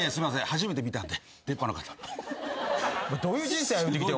初めて見たんで出っ歯の方。どういう人生歩んできてん。